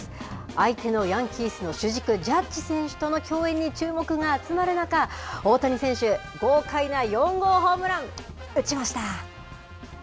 相手のヤンキースの主軸、ジャッジ選手との競演に注目が集まりますが、大谷選手、豪快な４号ホームラン、打ちました。